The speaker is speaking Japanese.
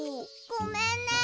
ごめんね。